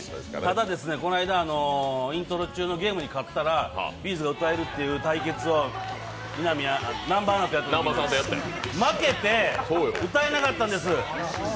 ただ、この間、イントロのゲームに勝ったらＢ’ｚが歌えるという対決を南波アナとやったときに負けて歌えなかったんです。